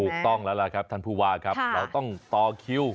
ถูกต้องแล้วครับท่านภูวาเราต้องต่อคิว